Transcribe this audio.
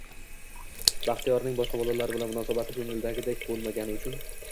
Baxtiyorning boshqa bolalar bilan munosabati ko‘ngildagidek bo‘lmagani uchun